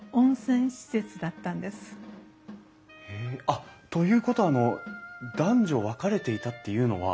あっということはあの男女分かれていたっていうのは。